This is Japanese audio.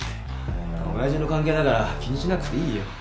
親父の関係だから気にしなくていいよ。